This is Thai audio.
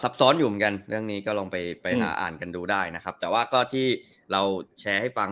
ซ้อนอยู่เหมือนกันเรื่องนี้ก็ลองไปไปหาอ่านกันดูได้นะครับแต่ว่าก็ที่เราแชร์ให้ฟัง